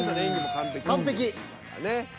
完璧。